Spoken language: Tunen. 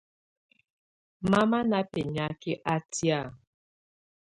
Mama á na bɛniaka átɛ̀á.